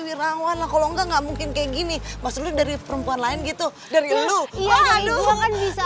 wirawan kalau enggak mungkin kayak gini maksudnya dari perempuan lain gitu dari lu iya lu kan bisa